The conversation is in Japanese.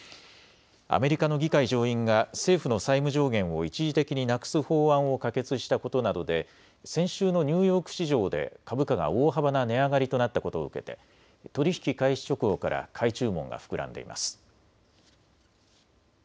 アメリカの議会上院が政府の債務上限を一時的になくす法案を可決したことなどで先週のニューヨーク市場で株価が大幅な値上がりとなったことを受けて取り引き開始直後から買い注文が膨らんでいます。